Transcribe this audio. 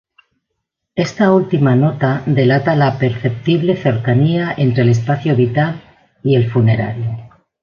Esta última nota delata la perceptible cercanía entre el espacio vital y el funerario.